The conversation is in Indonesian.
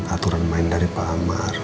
aturan main dari pak amar